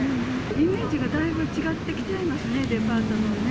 イメージがだいぶ違ってきちゃいますね、デパートのね。